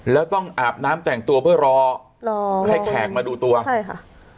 แล้วต้องอาบน้ำแต่งตัวเพื่อรอรอให้แขกมาดูตัวใช่ค่ะ